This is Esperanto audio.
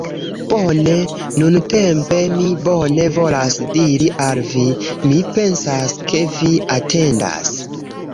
Bone, nuntempe mi bone volas diri al vi. Mi pensas ke vi atendas.